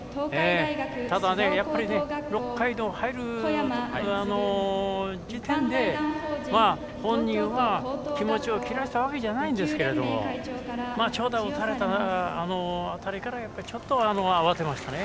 ただ６回に入る時点で本人は気持ちを切らしたわけじゃないですが長打を打たれた辺りからちょっと慌てましたね。